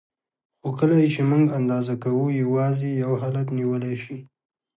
خو کله یې چې موږ اندازه کوو یوازې یو حالت نیولی شي.